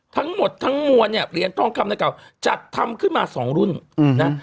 ทั้งหมดทั้งมวลเนี่ยเหรียญทองคำในเก่าจัดทำขึ้นมาสองรุ่นนะ